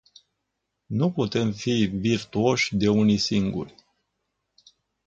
Nu putem fi virtuoși de unii singuri.